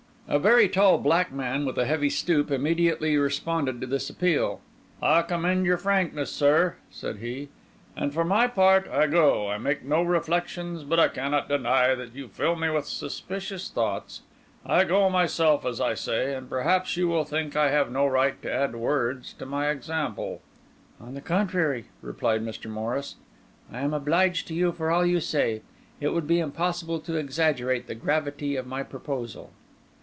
A very tall, black man, with a heavy stoop, immediately responded to this appeal. "I commend your frankness, Sir," said he; "and, for my part, I go. I make no reflections; but I cannot deny that you fill me with suspicious thoughts. I go myself, as I say; and perhaps you will think I have no right to add words to my example." "On the contrary," replied Mr. Morris, "I am obliged to you for all you say. It would be impossible to exaggerate the gravity of my proposal."